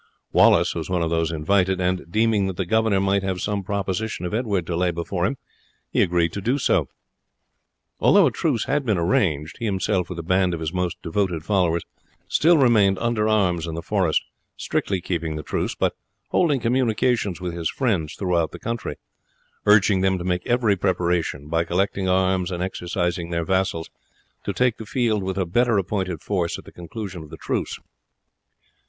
Wallace was one of those invited; and deeming that the governor might have some proposition of Edward to lay before them, he agreed to do so. Although a truce had been arranged, he himself with a band of his most devoted followers still remained under arms in the forest, strictly keeping the truce, but holding communications with his friends throughout the country, urging them to make every preparation, by collecting arms and exercising their vassals, to take the field with a better appointed force at the conclusion of the truce.